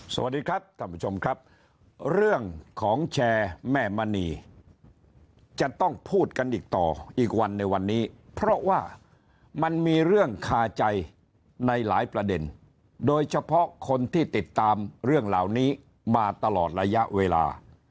สวัสดีครับท่านผู้ชมครับเรื่องของแชร์แม่มณีจะต้องพูดกันอีกต่ออีกวันในวันนี้เพราะว่ามันมีเรื่องคาใจในหลายประเด็นโดยเฉพาะคนที่ติดตามเรื่องเหล่านี้มาตลอดระยะเวลา